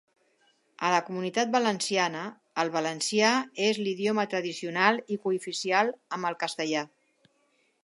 A la Comunitat Valenciana, el valencià és l'idioma tradicional i cooficial amb el castellà.